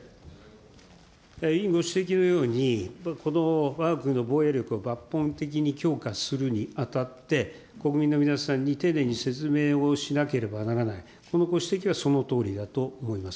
委員ご指摘のように、このわが国の防衛力を抜本的に強化するにあたって、国民の皆さんに丁寧に説明をしなければならない、このご指摘はそのとおりだと思います。